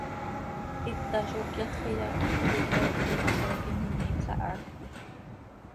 Hita, ¿zó cyáxiya, xiica itleen oo mooquim imiipla haaj quih?